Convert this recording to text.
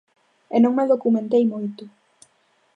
E non me documentei moito.